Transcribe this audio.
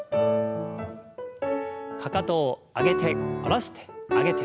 かかとを上げて下ろして上げて。